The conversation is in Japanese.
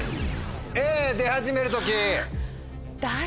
「出始める時」。